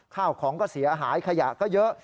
ข้าวของก็เสียหายขยะก็เยอะ